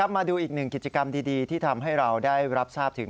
มาดูอีกหนึ่งกิจกรรมดีที่ทำให้เราได้รับทราบถึง